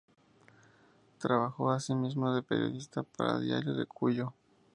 Trabajó asimismo de periodista para el Diario de Cuyo.